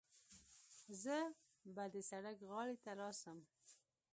زه به د سړک غاړې ته راسم.